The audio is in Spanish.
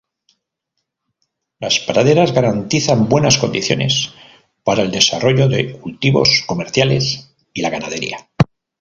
Las praderas garantizan buenas condiciones para el desarrollo de cultivos comerciales y la ganadería.